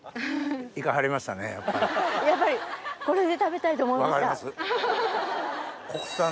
やっぱりこれで食べたいと思いました。